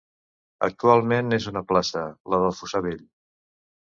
Actualment és una plaça: la del Fossar Vell.